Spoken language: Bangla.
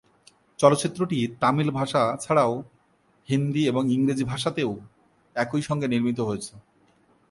চলচ্চিত্রটি তামিল ভাষা ছাড়াও হিন্দি এবং ইংরেজি ভাষাতেও একই সঙ্গে নির্মিত হয়েছে।